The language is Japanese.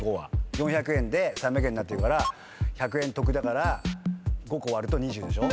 ４００円で３００円になってるから１００円得だから５個割ると２０でしょ。